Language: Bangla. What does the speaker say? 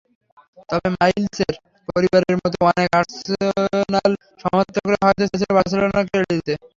তবে মাইলসের পরিবারের মতো অনেক আর্সেনাল সমর্থকই হয়তো চেয়েছিলেন বার্সেলোনাকে এড়িয়ে যেতে।